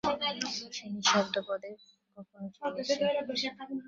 সে নিঃশব্দপদে কখন উঠিয়া গেছে।